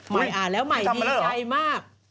มัยอ่านแล้วมัยดีใจมาก